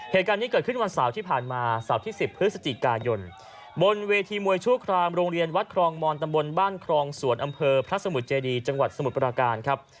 เหตุการณ์นี้เกิดขึ้นวันเสาร์ที่ผ่านมาเสาร์ที่๑๐พฤศจิกายนบนเวทีมวยชั่วครามโรงเรียนวัดครองมอนตำบลบ้านครองสวนอำเภอพระสมุทรเจดีจังหวัดสมุทรปราการครับ